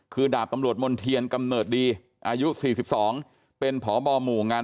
คือดาบตำรวจมณ์เทียนกำเนิดดีอายุ๔๒เป็นพบหมู่งาน